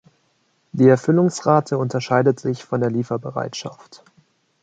Die Erfüllungsrate unterscheidet sich von der Lieferbereitschaft.